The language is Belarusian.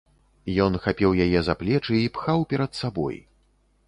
Ён хапіў яе за плечы і пхаў перад сабой.